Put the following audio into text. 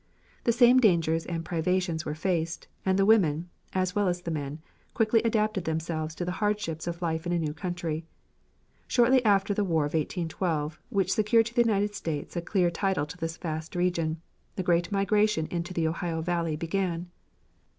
The same dangers and privations were faced, and the women, as well as the men, quickly adapted themselves to the hardships of life in a new country. Shortly after the War of 1812, which secured to the United States a clear title to this vast region, the great migration into the Ohio Valley began.